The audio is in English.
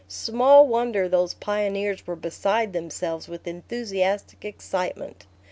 Small wonder those pioneers were beside themselves with enthusiastic excitement.